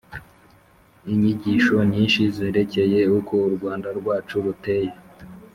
inyigisho nyinshi zerekeye uko u rwanda rwacu ruteye